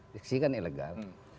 diksi kan ilegal